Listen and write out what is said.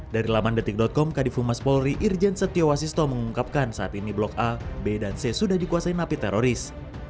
dari laman detik com kadifu mas polri irjen setio wasisto mengungkapkan saat ini blok a b dan c sudah dikuasai napi teroris